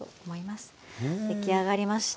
出来上がりました。